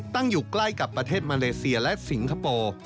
ตั้งอยู่ใกล้กับประเทศมาเลเซียและสิงคโปร์